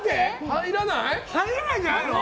入らないんじゃないの？